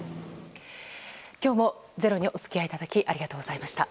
今日も「ｚｅｒｏ」にお付き合いいただきありがとうございました。